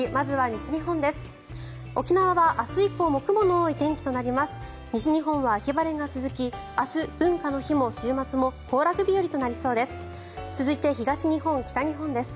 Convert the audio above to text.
西日本は秋晴れが続き明日、文化の日も週末も行楽日和となりそうです。